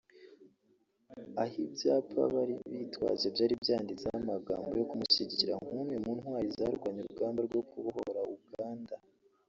aho ibyapa bari bitwaje byari byanditseho amagambo yo kumushyigikira nk’umwe mu ntwari zarwanye urugamba rwo kubohora Uganda